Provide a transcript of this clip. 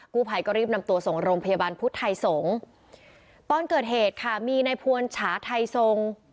ผู้ภัยก็รีบนำตัวส่งโรงพยาบาลพุทธไทยสงศ์ตอนเกิดเหตุค่ะมีในพวนฉาไทยทรง